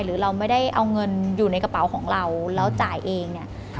หรือเราไม่ได้เอาเงินอยู่ในกระเป๋าของเราแล้วจ่ายเองเนี่ย